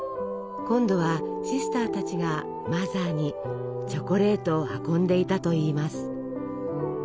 今度はシスターたちがマザーにチョコレートを運んでいたといいます。